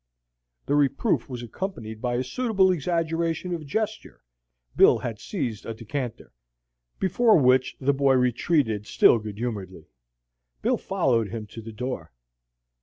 The reproof was accompanied by a suitable exaggeration of gesture (Bill had seized a decanter) before which the boy retreated still good humoredly. Bill followed him to the door.